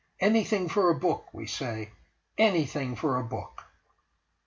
Anything for a book, we say—anything for a book!